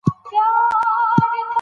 د دې لارې پای بریا ده.